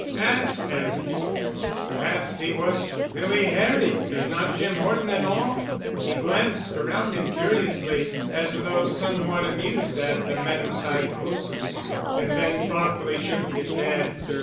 —as Harry_! Perhaps, he was really Harry and not Jim Horton at all? He glanced around him curiously, as though somewhat amused at the metempyschosis. And then thoughtfully shook his head.